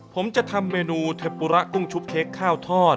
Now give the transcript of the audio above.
ผมจะทำเมนูเทปุระกุ้งชุบเค้กข้าวทอด